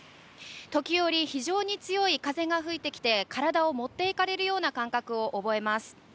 時折非常に強い風が吹いてきて体を持っていかれるような感覚を覚えます。